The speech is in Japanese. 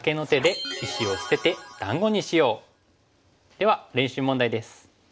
では練習問題です。